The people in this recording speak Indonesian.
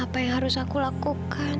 apa yang harus aku lakukan